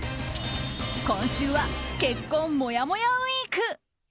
今週は結婚もやもやウィーク。